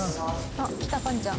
あっ来たぱんちゃん。